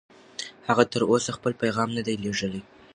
هغه تر اوسه خپل پیغام نه دی لېږلی.